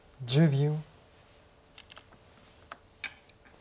１０秒。